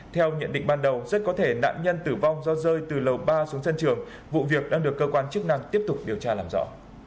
theo nhận định ban đầu rất có thể nạn nhân tử vong do rơi từ lầu ba xuống sân trường vụ việc đang được cơ quan chức năng tiếp tục điều tra làm rõ